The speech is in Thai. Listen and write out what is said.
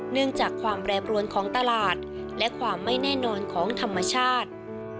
เนื่องจากความแปรปรวนของตลาดและความไม่แน่นอนของธรรมชาติ